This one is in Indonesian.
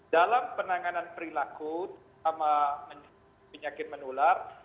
dalam penanganan perilaku terutama penyakit menular